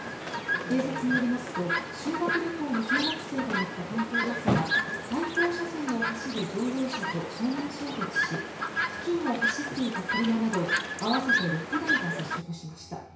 警察によりますと修学旅行の小学生が乗った観光バスが対向車線を走る乗用車と正面衝突し付近を走っていた車など合わせて６台が接触しました。